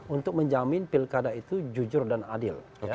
untuk menjamin pilkada itu jujur dan adil